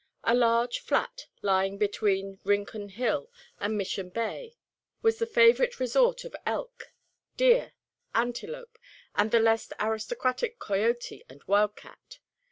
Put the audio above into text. A large flat lying between Rincon Hill and Mission Bay was the favourite resort of elk, deer, antelope, and the less aristocratic coyote and wild cat.